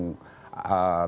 menyebabkan kelebihan muatan